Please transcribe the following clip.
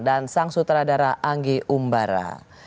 dan sang sutradara anggi umbara